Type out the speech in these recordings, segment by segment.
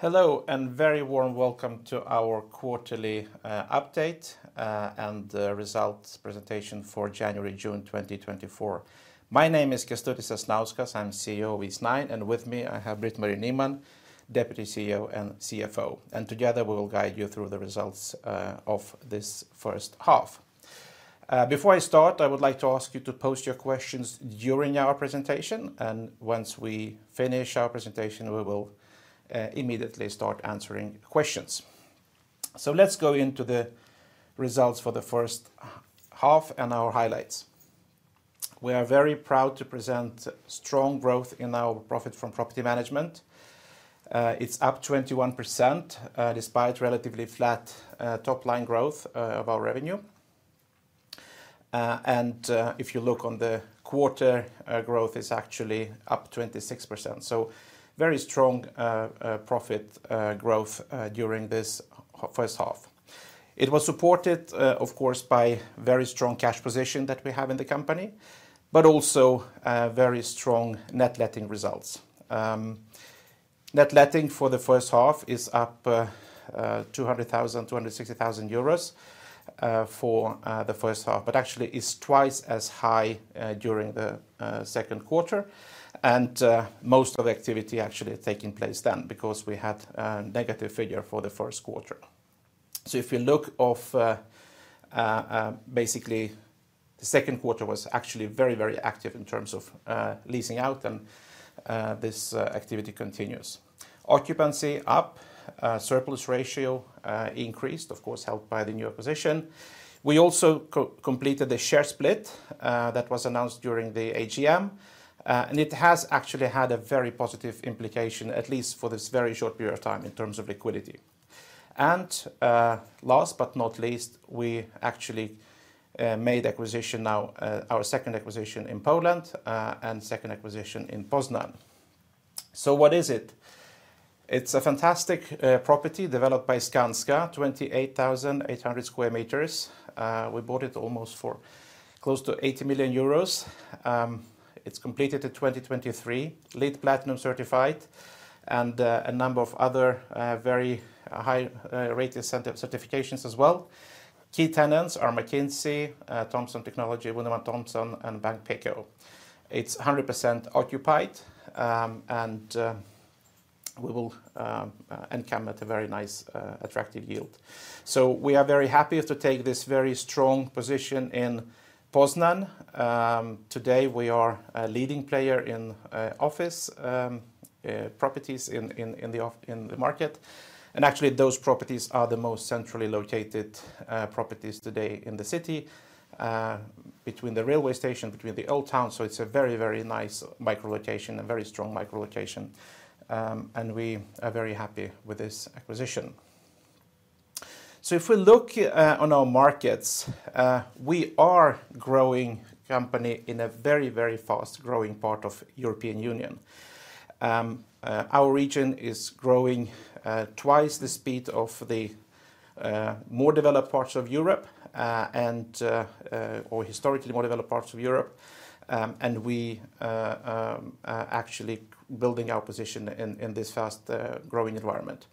Hello and very warm welcome to our quarterly update and results presentation for January-June 2024. My name is Kestutis Sasnauskas, I'm CEO of Eastnine, and with me I have Britt-Marie Nyman, Deputy CEO and CFO. Together we will guide you through the results of this first half. Before I start, I would like to ask you to post your questions during our presentation, and once we finish our presentation, we will immediately start answering questions. Let's go into the results for the first half and our highlights. We are very proud to present strong growth in our profit from property management. It's up 21% despite relatively flat top-line growth of our revenue. If you look on the quarter, growth is actually up 26%. Very strong profit growth during this first half. It was supported, of course, by very strong cash position that we have in the company, but also very strong net letting results. Net letting for the first half is up 200,000, 260,000 euros for the first half, but actually is twice as high during the second quarter. Most of the activity actually taking place then because we had a negative figure for the first quarter. So if you look at basically the second quarter was actually very, very active in terms of leasing out, and this activity continues. Occupancy up, surplus ratio increased, of course, helped by the new acquisition. We also completed the share split that was announced during the AGM, and it has actually had a very positive implication, at least for this very short period of time in terms of liquidity. And last but not least, we actually made acquisition now, our second acquisition in Poland and second acquisition in Poznań. So what is it? It's a fantastic property developed by Skanska, 28,800 square meters. We bought it almost for close to 80 million euros. It's completed in 2023, LEED Platinum certified, and a number of other very high rated certifications as well. Key tenants are McKinsey, Thomson Reuters, Wunderman Thompson, and Bank Pekao. It's 100% occupied, and we will end up at a very nice attractive yield. So we are very happy to take this very strong position in Poznań. Today we are a leading player in office properties in the market. And actually those properties are the most centrally located properties today in the city between the railway station, between the old town. So it's a very, very nice micro-location, a very strong micro-location. We are very happy with this acquisition. So if we look on our markets, we are growing company in a very, very fast growing part of the European Union. Our region is growing twice the speed of the more developed parts of Europe and/or historically more developed parts of Europe. We are actually building our position in this fast growing environment.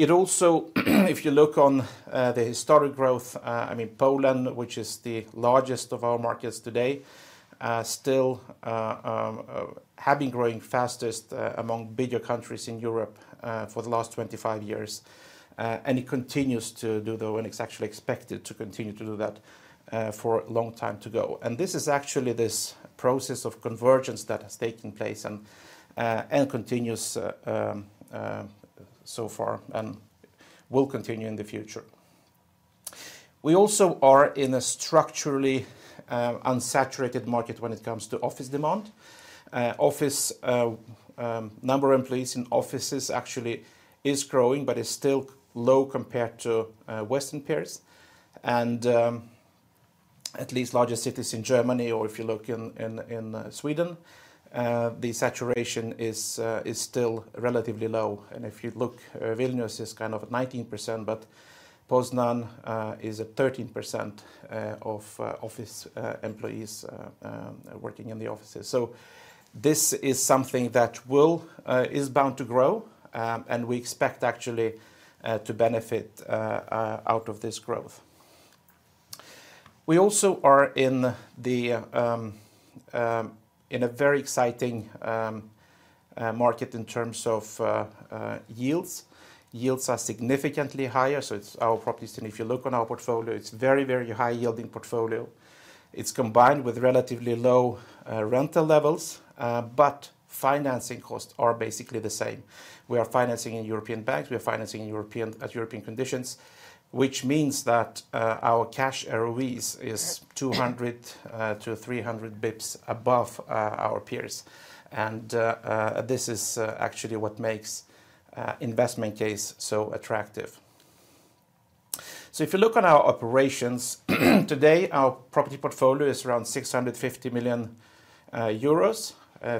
It also, if you look on the historic growth, I mean Poland, which is the largest of our markets today, still having growing fastest among bigger countries in Europe for the last 25 years. It continues to do though, and it's actually expected to continue to do that for a long time to go. This is actually this process of convergence that has taken place and continues so far and will continue in the future. We also are in a structurally unsaturated market when it comes to office demand. Number of employees in offices actually is growing, but is still low compared to Western peers. At least larger cities in Germany or if you look in Sweden, the saturation is still relatively low. If you look, Vilnius is kind of 19%, but Poznań is at 13% of office employees working in the offices. So this is something that is bound to grow, and we expect actually to benefit out of this growth. We also are in a very exciting market in terms of yields. Yields are significantly higher. So it's our property Eastnine. If you look on our portfolio, it's a very, very high yielding portfolio. It's combined with relatively low rental levels, but financing costs are basically the same. We are financing in European banks. We are financing at European conditions, which means that our cash ROE is 200-300 basis points above our peers. This is actually what makes investment case so attractive. So if you look on our operations today, our property portfolio is around 650 million euros,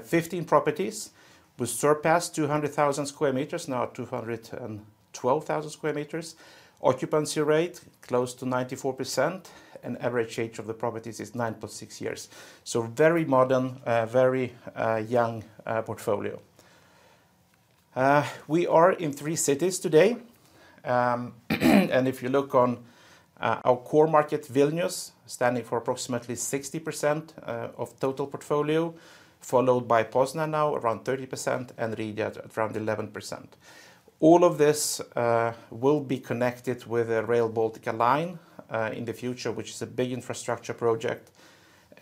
15 properties. We surpassed 200,000 square meters, now 212,000 square meters. Occupancy rate close to 94%, and average age of the properties is 9.6 years. So very modern, very young portfolio. We are in three cities today. And if you look on our core market, Vilnius standing for approximately 60% of total portfolio, followed by Poznań now around 30% and Riga at around 11%. All of this will be connected with a Rail Baltica line in the future, which is a big infrastructure project.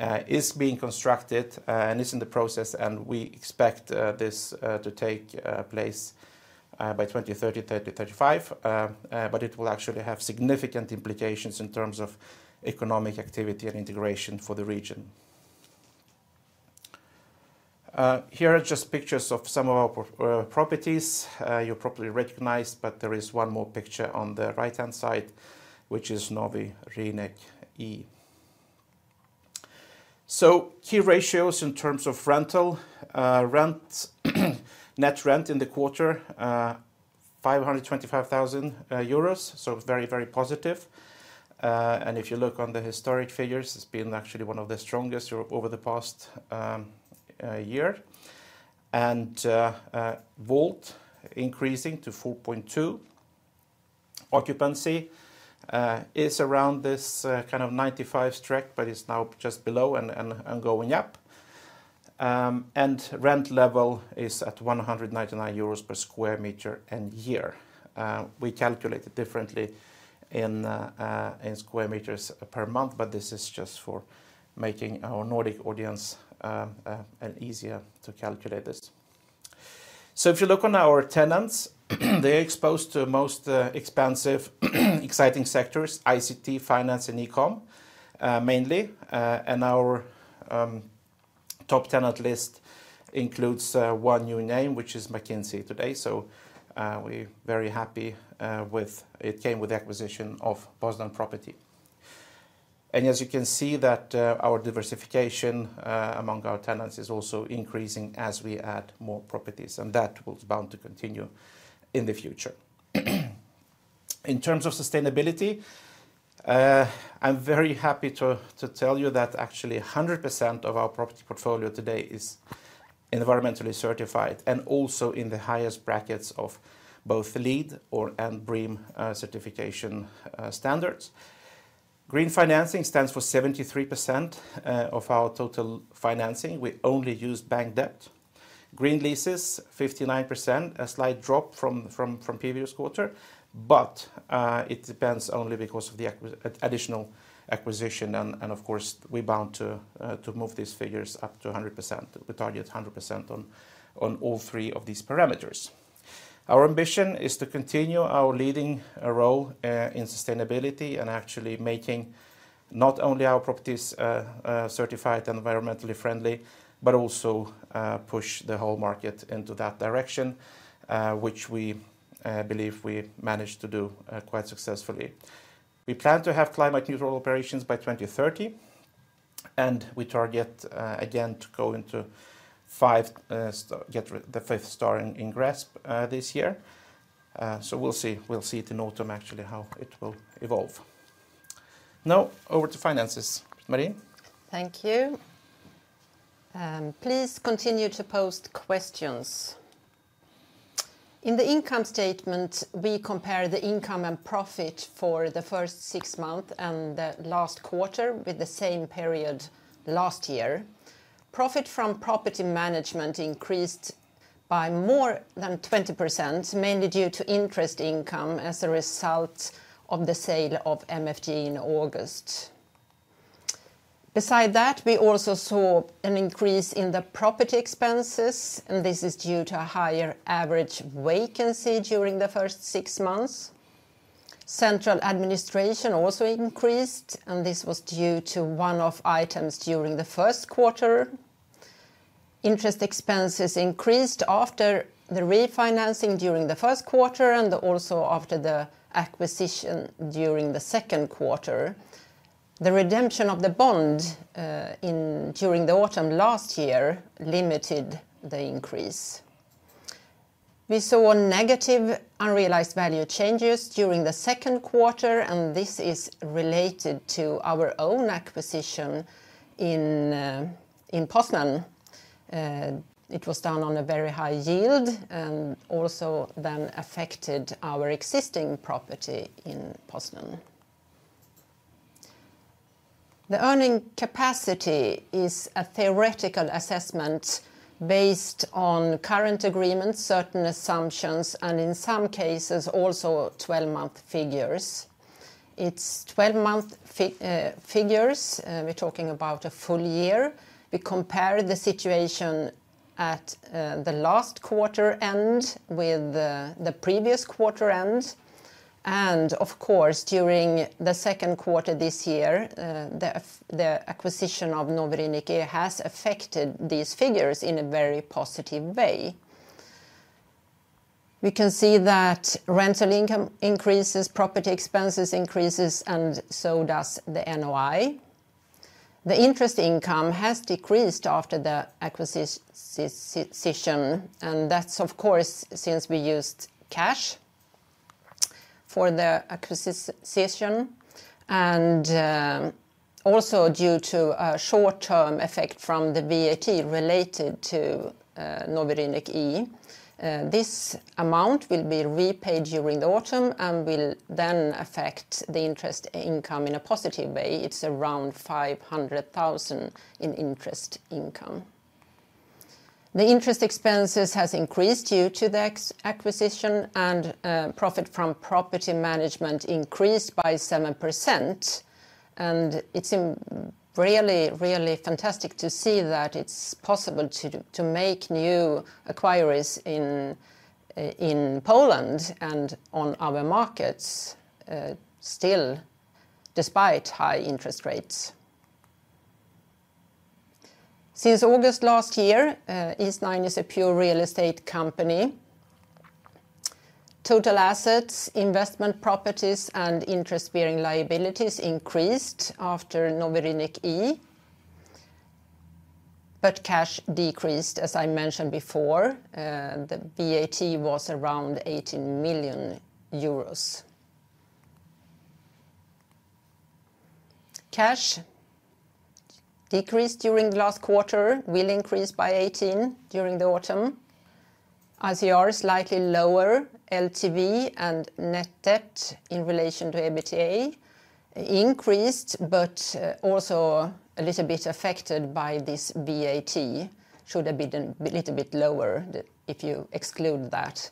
It's being constructed and it's in the process, and we expect this to take place by 2030-35, but it will actually have significant implications in terms of economic activity and integration for the region. Here are just pictures of some of our properties. You probably recognize, but there is one more picture on the right-hand side, which is Nowy Rynek E. So key ratios in terms of rental, net rent in the quarter, 525,000 euros. So very, very positive. And if you look on the historic figures, it's been actually one of the strongest over the past year. And yield increasing to 4.2. Occupancy is around this kind of 95%, but it's now just below and going up. And rent level is at 199 euros per sq m/year. We calculate it differently in square meters per month, but this is just for making our Nordic audience easier to calculate this. So if you look on our tenants, they are exposed to most expansive, exciting sectors, ICT, finance, and e-com mainly. And our top tenant list includes one new name, which is McKinsey today. So we are very happy with it came with the acquisition of Poznań property. And as you can see that our diversification among our tenants is also increasing as we add more properties, and that was bound to continue in the future. In terms of sustainability, I'm very happy to tell you that actually 100% of our property portfolio today is environmentally certified and also in the highest brackets of both LEED and BREEAM certification standards. Green financing stands for 73% of our total financing. We only use bank debt. Green leases, 59%, a slight drop from previous quarter, but it depends only because of the additional acquisition. And of course, we're bound to move these figures up to 100%. We target 100% on all three of these parameters. Our ambition is to continue our leading role in sustainability and actually making not only our properties certified and environmentally friendly, but also push the whole market into that direction, which we believe we managed to do quite successfully. We plan to have climate neutral operations by 2030, and we target again to go into five, get the fifth star in GRESB this year. So we'll see it in autumn actually how it will evolve. Now over to finances, Britt-Marie. Thank you. Please continue to post questions. In the income statement, we compare the income and profit for the first six months and the last quarter with the same period last year. Profit from property management increased by more than 20%, mainly due to interest income as a result of the sale of MFG in August. Besides that, we also saw an increase in the property expenses, and this is due to a higher average vacancy during the first six months. Central administration also increased, and this was due to one-off items during the first quarter. Interest expenses increased after the refinancing during the first quarter and also after the acquisition during the second quarter. The redemption of the bond during the autumn last year limited the increase. We saw negative unrealized value changes during the second quarter, and this is related to our own acquisition in Poznań. It was done on a very high yield and also then affected our existing property in Poznań. The earning capacity is a theoretical assessment based on current agreements, certain assumptions, and in some cases also 12-month figures. It's 12-month figures. We're talking about a full year. We compare the situation at the last quarter end with the previous quarter end. And of course, during the second quarter this year, the acquisition of Nowy Rynek E has affected these figures in a very positive way. We can see that rental income increases, property expenses increases, and so does the NOI. The interest income has decreased after the acquisition, and that's of course since we used cash for the acquisition. Also due to a short-term effect from the VAT related to Nowy Rynek E, this amount will be repaid during the autumn and will then affect the interest income in a positive way. It's around 500,000 in interest income. The interest expenses have increased due to the acquisition, and profit from property management increased by 7%. And it's really, really fantastic to see that it's possible to make new acquisitions in Poland and on our markets still despite high interest rates. Since August last year, Eastnine is a pure real estate company. Total assets, investment properties, and interest-bearing liabilities increased after Nowy Rynek E, but cash decreased, as I mentioned before. The VAT was around 18 million euros. Cash decreased during the last quarter, will increase by 18 million during the autumn. ICR is slightly lower. LTV and net debt in relation to EBITDA increased, but also a little bit affected by this VAT. It should have been a little bit lower if you exclude that.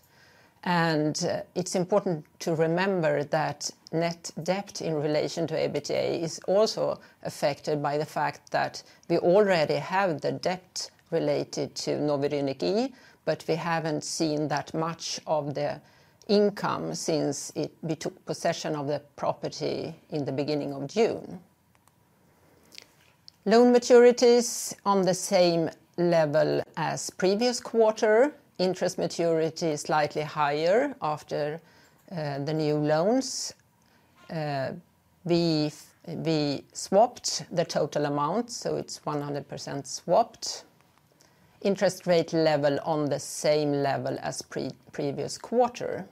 It's important to remember that net debt in relation to EBITDA is also affected by the fact that we already have the debt related to Nowy Rynek E, but we haven't seen that much of the income since we took possession of the property in the beginning of June. Loan maturities are on the same level as the previous quarter. Interest maturity is slightly higher after the new loans. We swapped the total amount, so it's 100% swapped. Interest rate level is on the same level as the previous quarter.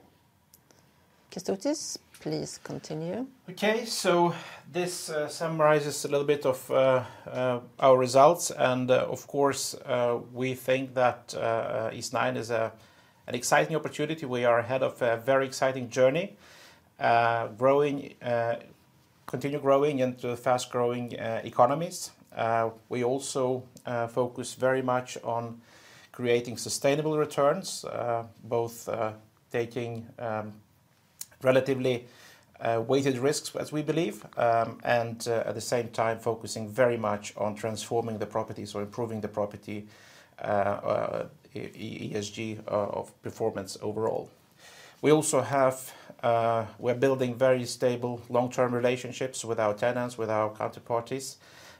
Kestutis, please continue. Okay, so this summarizes a little bit of our results. Of course, we think that Eastnine is an exciting opportunity. We are ahead of a very exciting journey, growing, continue growing into fast-growing economies. We also focus very much on creating sustainable returns, both taking relatively weighted risks, as we believe, and at the same time focusing very much on transforming the property or improving the property ESG of performance overall. We also have, we're building very stable long-term relationships with our tenants, with our counterparties,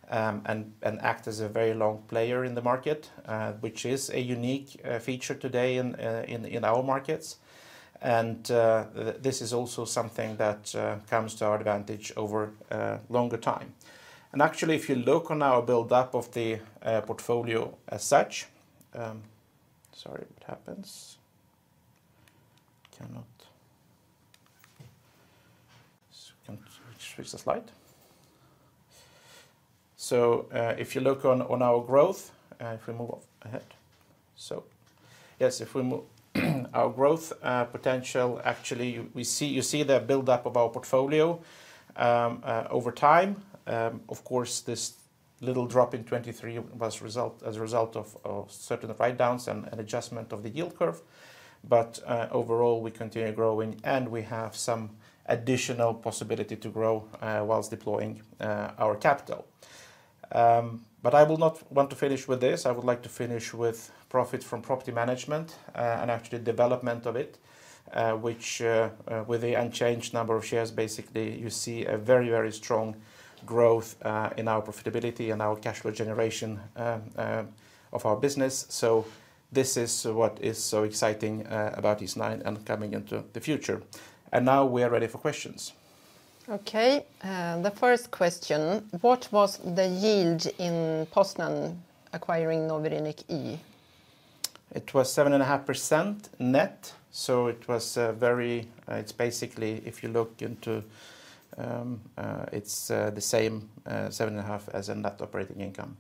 and act as a very long player in the market, which is a unique feature today in our markets. This is also something that comes to our advantage over a longer time. Actually, if you look on our build-up of the portfolio as such, sorry, what happens? So if you look on our growth, if we move ahead, so yes, if we move our growth potential, actually you see the build-up of our portfolio over time. Of course, this little drop in 2023 was a result of certain write-downs and adjustment of the yield curve. But overall, we continue growing and we have some additional possibility to grow whilst deploying our capital. But I will not want to finish with this. I would like to finish with profits from property management and actually development of it, which with the unchanged number of shares, basically you see a very, very strong growth in our profitability and our cash flow generation of our business. So this is what is so exciting about Eastnine and coming into the future. And now we are ready for questions. Okay, the first question, what was the yield in Poznań acquiring Nowy Rynek E? It was 7.5% net. So it was very, it's basically if you look into it, it's the same 7.5% as a net operating income.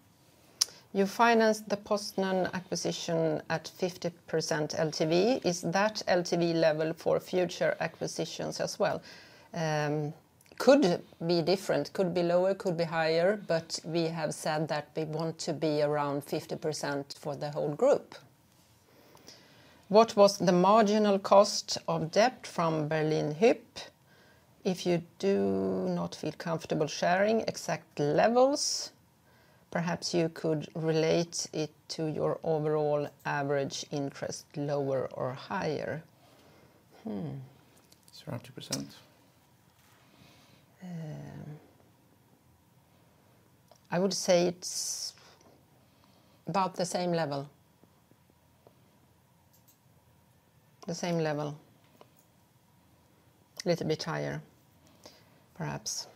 You financed the Poznań acquisition at 50% LTV. Is that LTV level for future acquisitions as well? Could be different, could be lower, could be higher, but we have said that we want to be around 50% for the whole group. What was the marginal cost of debt from Berlin Hyp? If you do not feel comfortable sharing exact levels, perhaps you could relate it to your overall average interest, lower or higher. It's around 2%. I would say it's about the same level. The same level. A little bit higher, perhaps.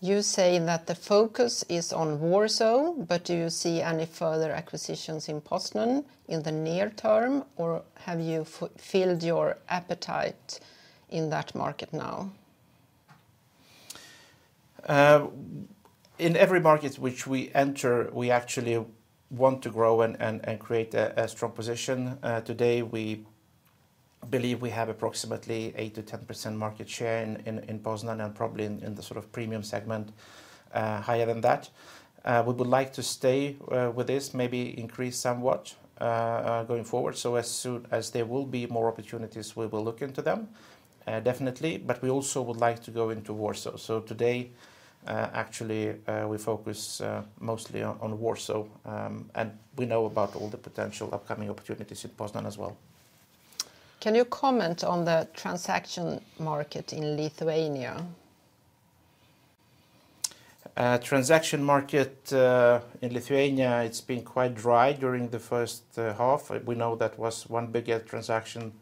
You say that the focus is on Warsaw, but do you see any further acquisitions in Poznań in the near term, or have you filled your appetite in that market now? In every market which we enter, we actually want to grow and create a strong position. Today, we believe we have approximately 8%-10% market share in Poznań and probably in the sort of premium segment higher than that. We would like to stay with this, maybe increase somewhat going forward. So as soon as there will be more opportunities, we will look into them definitely, but we also would like to go into Warsaw. So today, actually, we focus mostly on Warsaw, and we know about all the potential upcoming opportunities in Poznań as well. Can you comment on the transaction market in Lithuania? Transaction market in Lithuania, it's been quite dry during the first half. We know that was one bigger transaction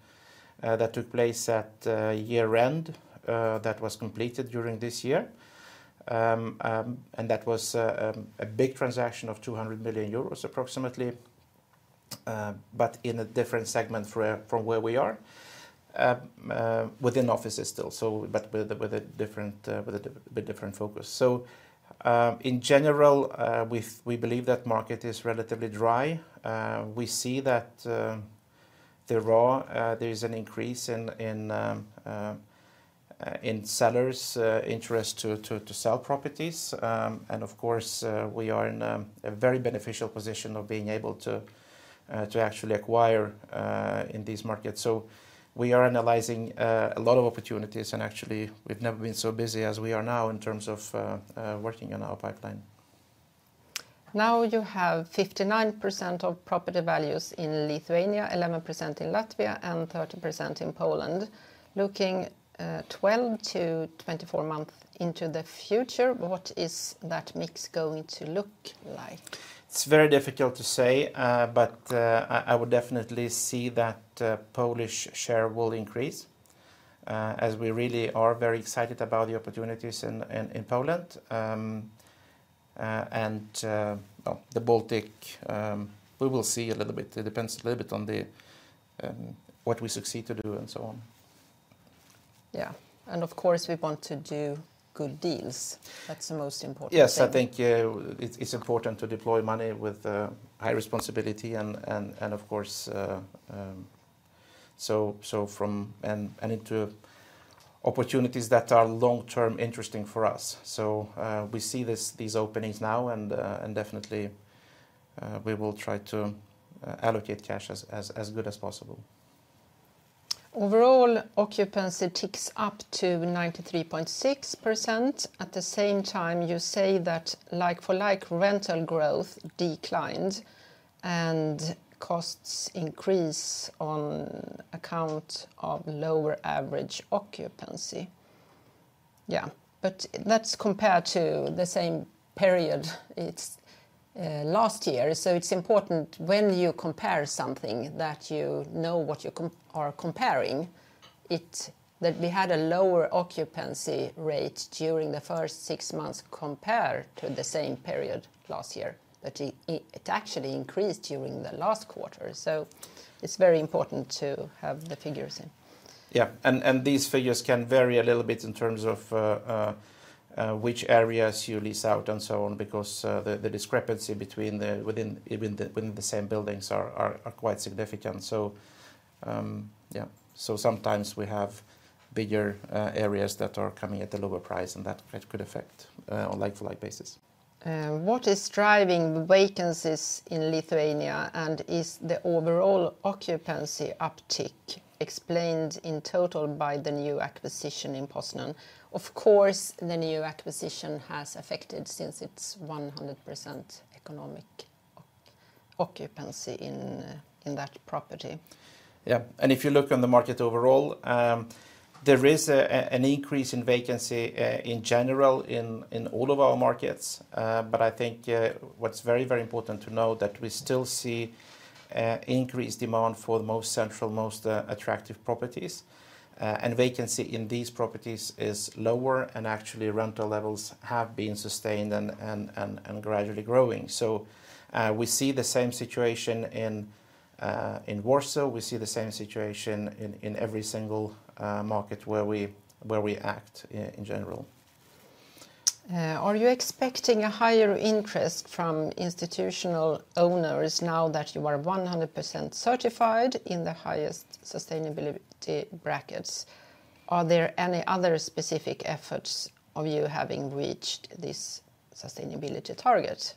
that took place at year-end that was completed during this year. And that was a big transaction of 200 million euros approximately, but in a different segment from where we are within offices still, but with a different focus. So in general, we believe that market is relatively dry. We see that there is an increase in sellers' interest to sell properties. And of course, we are in a very beneficial position of being able to actually acquire in these markets. So we are analyzing a lot of opportunities, and actually we've never been so busy as we are now in terms of working on our pipeline. Now you have 59% of property values in Lithuania, 11% in Latvia, and 30% in Poland. Looking 12-24 months into the future, what is that mix going to look like? It's very difficult to say, but I would definitely see that Polish share will increase as we really are very excited about the opportunities in Poland. The Baltic, we will see a little bit. It depends a little bit on what we succeed to do and so on. Yeah, and of course, we want to do good deals. That's the most important thing. Yes, I think it's important to deploy money with high responsibility and of course, so from and into opportunities that are long-term interesting for us. We see these openings now, and definitely we will try to allocate cash as good as possible. Overall, occupancy ticks up to 93.6%. At the same time, you say that like-for-like rental growth declined and costs increased on account of lower average occupancy. Yeah, but that's compared to the same period last year. So it's important when you compare something that you know what you are comparing, that we had a lower occupancy rate during the first six months compared to the same period last year, but it actually increased during the last quarter. So it's very important to have the figures in. Yeah, and these figures can vary a little bit in terms of which areas you lease out and so on because the discrepancy within the same buildings are quite significant. So yeah, so sometimes we have bigger areas that are coming at a lower price and that could affect on like-for-like basis. What is driving the vacancies in Lithuania and is the overall occupancy uptick explained in total by the new acquisition in Poznań? Of course, the new acquisition has affected since it's 100% economic occupancy in that property. Yeah, and if you look on the market overall, there is an increase in vacancy in general in all of our markets. But I think what's very, very important to know is that we still see increased demand for the most central, most attractive properties. And vacancy in these properties is lower and actually rental levels have been sustained and gradually growing. So we see the same situation in Warsaw. We see the same situation in every single market where we act in general. Are you expecting a higher interest from institutional owners now that you are 100% certified in the highest sustainability brackets? Are there any other specific efforts of you having reached this sustainability target?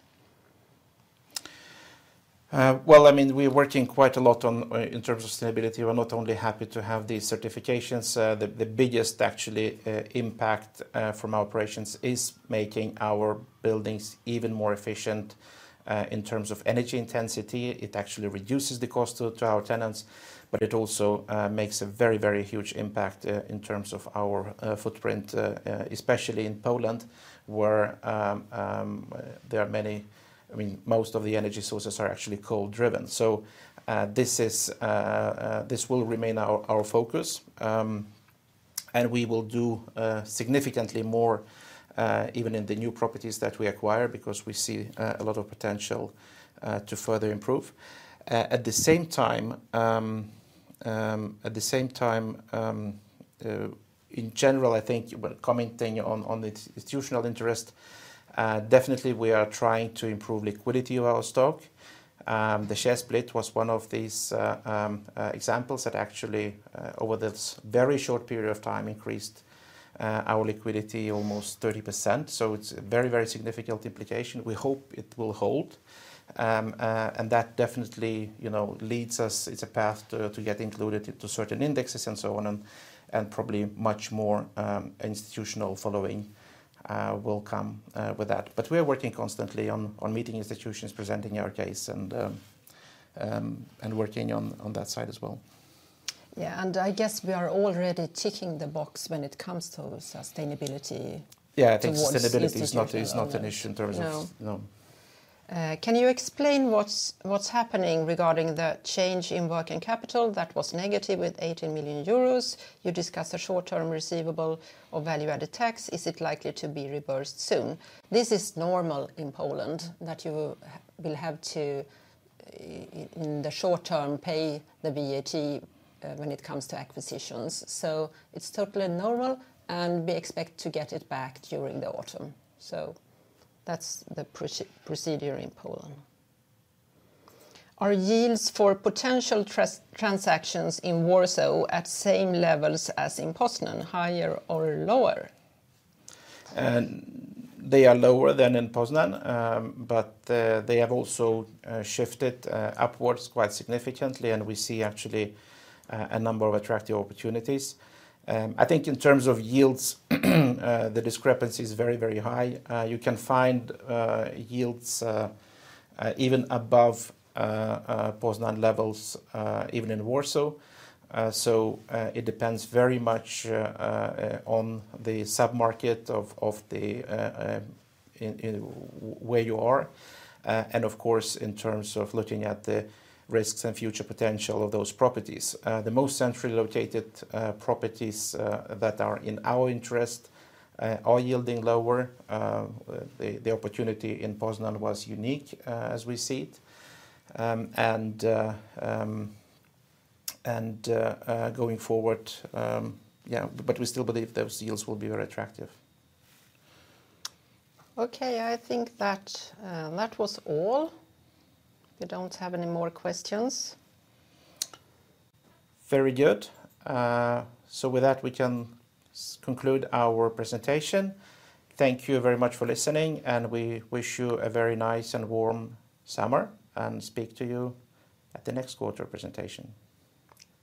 Well, I mean, we are working quite a lot in terms of sustainability. We're not only happy to have these certifications. The biggest, actually, impact from our operations is making our buildings even more efficient in terms of energy intensity. It actually reduces the cost to our tenants, but it also makes a very, very huge impact in terms of our footprint, especially in Poland where there are many, I mean, most of the energy sources are actually coal-driven. So this will remain our focus and we will do significantly more even in the new properties that we acquire because we see a lot of potential to further improve. At the same time, in general, I think commenting on the institutional interest, definitely we are trying to improve liquidity of our stock. The share split was one of these examples that actually over this very short period of time increased our liquidity almost 30%. So it's a very, very significant implication. We hope it will hold. And that definitely leads us, it's a path to get included into certain indexes and so on. And probably much more institutional following will come with that. But we are working constantly on meeting institutions, presenting our case and working on that side as well. Yeah, and I guess we are already ticking the box when it comes to sustainability. Yeah, I think sustainability is not an issue in terms of, no. Can you explain what's happening regarding the change in working capital that was negative with 18 million euros? You discussed a short-term receivable of value-added tax. Is it likely to be reversed soon? This is normal in Poland that you will have to, in the short term, pay the VAT when it comes to acquisitions. So it's totally normal and we expect to get it back during the autumn. So that's the procedure in Poland. Are yields for potential transactions in Warsaw at same levels as in Poznań, higher or lower? They are lower than in Poznań, but they have also shifted upwards quite significantly and we see actually a number of attractive opportunities. I think in terms of yields, the discrepancy is very, very high. You can find yields even above Poznań levels, even in Warsaw. So it depends very much on the sub-market of where you are. And of course, in terms of looking at the risks and future potential of those properties, the most centrally located properties that are in our interest are yielding lower. The opportunity in Poznań was unique as we see it. And going forward, yeah, but we still believe those yields will be very attractive. Okay, I think that was all. We don't have any more questions. Very good. So with that, we can conclude our presentation. Thank you very much for listening and we wish you a very nice and warm summer and speak to you at the next quarter presentation.